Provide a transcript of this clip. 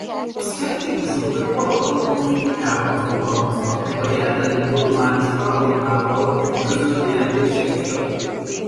A szkeptikusok több alkalommal kritikákat fogalmaztak meg a jelenlegi tudományos paradigmával ütköző kijelentései miatt.